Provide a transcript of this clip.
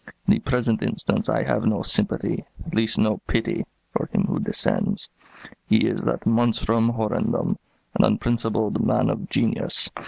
In the present instance I have no sympathy, at least no pity, for him who descends. He is that monstrum horrendum, an unprincipled man of genius.